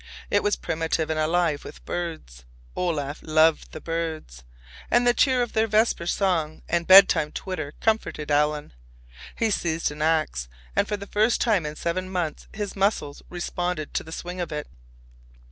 It was primitive and alive with birds. Olaf loved the birds, and the cheer of their vesper song and bedtime twitter comforted Alan. He seized an ax, and for the first time in seven months his muscles responded to the swing of it.